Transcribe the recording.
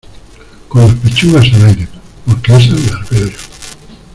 con las pechugas al aire, porque esas las veo yo